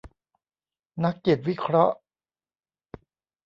นักจิตวิเคราะห์